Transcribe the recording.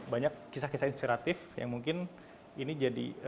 banyak kisah kisah inspiratif yang mungkin ini jadi